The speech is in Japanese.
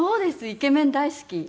イケメン大好き。